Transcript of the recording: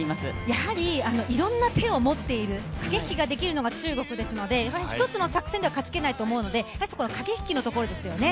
やはりいろんな手を持っている、駆け引きができるのが中国ですので、一つの作戦では勝ちきれないと思うので、やはり駆け引きのところですよね、